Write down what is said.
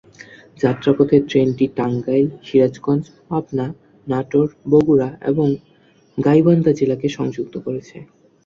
যাত্রাপথে ট্রেনটি টাঙ্গাইল, সিরাজগঞ্জ, পাবনা, নাটোর, বগুড়া এবং গাইবান্ধা জেলাকে সংযুক্ত করেছে।